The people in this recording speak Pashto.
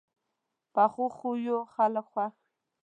پخو خویو خلک خوښ وي